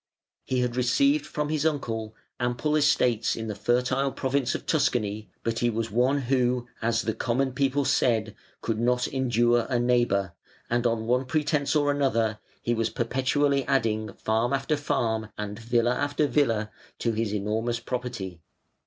He had received from his uncle ample estates in the fertile province of Tuscany, but he was one who, as the common people said, "could not endure a neighbour", and, on one pretence or other, he was perpetually adding farm after farm and villa after villa to his enormous property.